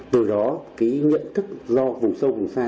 từ đó cái nhận thức do vùng sâu vùng xa